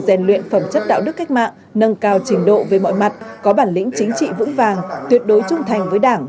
rèn luyện phẩm chất đạo đức cách mạng nâng cao trình độ về mọi mặt có bản lĩnh chính trị vững vàng tuyệt đối trung thành với đảng